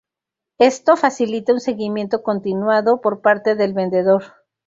Esto facilita un seguimiento continuado por parte del vendedor.